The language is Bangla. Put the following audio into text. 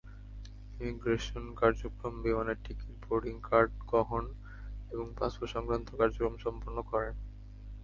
ইমিগ্রেশন কার্যক্রম, বিমানের টিকিট, বোর্ডিং কার্ড গ্রহণ এবং পাসপোর্ট-সংক্রান্ত কার্যক্রম সম্পন্ন করেন।